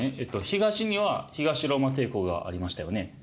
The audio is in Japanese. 東には東ローマ帝国がありましたよね。